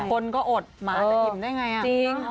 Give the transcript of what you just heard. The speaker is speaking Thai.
คนก็อดหมาจะหยิบได้ไง